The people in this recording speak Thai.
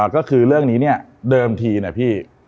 ก็คือเรื่องนี้เนี่ยเดิมทีนะพี่